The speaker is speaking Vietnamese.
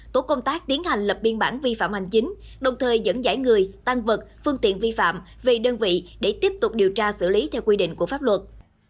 tổ công tác tiến hành lập biên bản vi phạm hành chính đồng thời dẫn giải người tăng vật phương tiện vi phạm về đơn vị để tiếp tục điều tra xử lý theo quy định của pháp luật